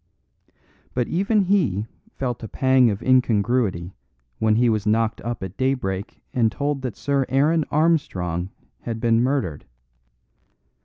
But even he felt a pang of incongruity when he was knocked up at daybreak and told that Sir Aaron Armstrong had been murdered.